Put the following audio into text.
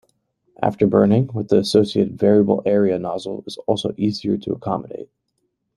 Afterburning, with the associated variable area nozzle, is also easier to accommodate.